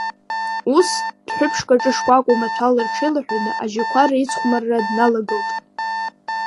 Ус, дәҳәыԥшк аҿы шкәакәа маҭәала рҽеилаҳәаны ажьақәа реицхумарра дналагылт.